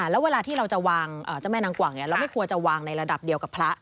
แล้วเวลาที่เราจะวางเจ้าแม่นางกว่างเราไม่ควรจะวางในระดับเดียวกับพระ